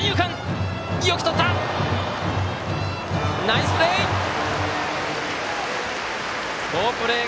ナイスプレー！